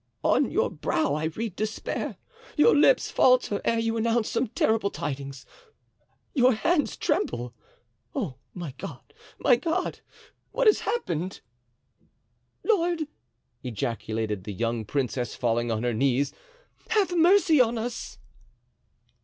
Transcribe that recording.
"On your brow I read despair—your lips falter ere you announce some terrible tidings—your hands tremble. Oh, my God! my God! what has happened?" "Lord!" ejaculated the young princess, falling on her knees, "have mercy on us!"